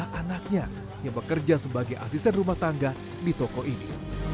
seorang wanita paruh bayam menangis sebagai asisten rumah tangga di toko ini